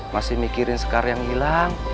masih mikirin sekar yang hilang